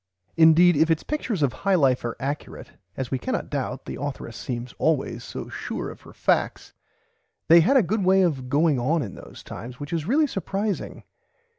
Indeed if its pictures of High Life are accurate (as we cannot doubt, the authoress seems always so sure of her facts) they had a way of going on in those times which is really surprising.